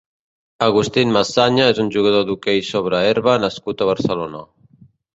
Agustín Masaña és un jugador d'hoquei sobre herba nascut a Barcelona.